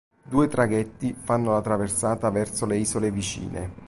Due traghetti fanno la traversata verso le isole vicine.